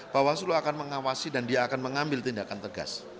bawaslu akan mengawasi dan dia akan mengambil tindakan tegas